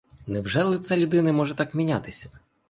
Невже лице людини може так мінятися?!